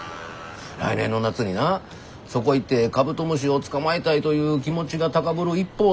来年の夏になそこ行ってカブトムシを捕まえたいという気持ちが高ぶる一方で。